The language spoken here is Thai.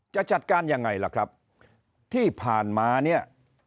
จะจัดการยังไงล่ะครับที่ผ่านมาเนี่ย